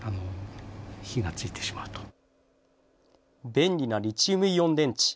便利なリチウムイオン電池。